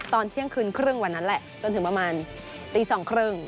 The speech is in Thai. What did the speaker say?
ตอนเที่ยงคืนครึ่งวันนั้นแหละจนถึงประมาณตี๒๓๐